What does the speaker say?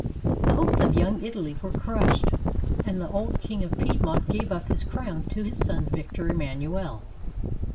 The hopes of "Young Italy" were crushed, and the old King of Piedmont gave up his crown to his son Victor Emmanuel.